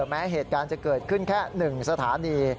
แม้เหตุการณ์จะเกิดขึ้นแค่๑สถานี